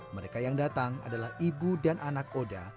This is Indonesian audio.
mereka yang datang adalah ibu dan anak oda